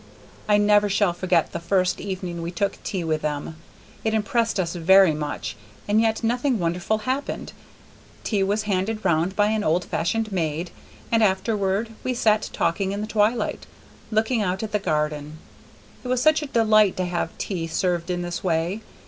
I never shall forget the first evening we took tea with them; it impressed us very much, and yet nothing wonderful happened. Tea was handed round by an old fashioned maid, and afterward we sat talking in the twilight, looking out at the garden. It was such a delight to have tea served in this way.